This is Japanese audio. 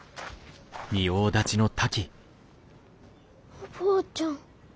おばあちゃん。